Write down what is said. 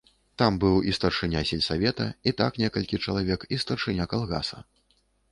Там быў і старшыня сельсавета, і так некалькі чалавек, і старшыня калгаса.